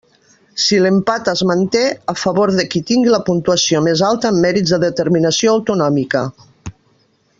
Si l'empat es manté, a favor de qui tingui la puntuació més alta en mèrits de determinació autonòmica.